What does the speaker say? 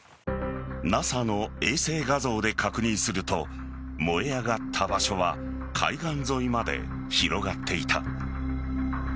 ＮＡＳＡの衛星画像で確認すると燃え上がった場所は海岸沿いまで広がっていた。